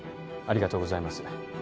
ありがとうございます